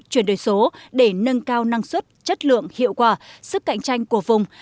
chuyển đổi số để nâng cao năng suất chất lượng hiệu quả sức cạnh tranh của vùng